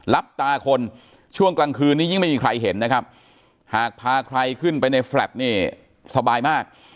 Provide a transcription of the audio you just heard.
รับตาคนช่วงกลางคืนนี้ยิ่งไม่มีใครเห็นนะครับหากพาใครขึ้นไปในแฟลตเนี่ยสบายมาก